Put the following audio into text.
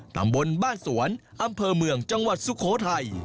ตำบลบ้านสวนอำเภอเมืองจังหวัดสุโขทัย